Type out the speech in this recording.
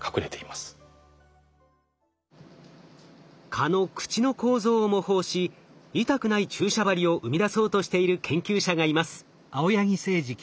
蚊の口の構造を模倣し痛くない注射針を生み出そうとしている研究者がいます。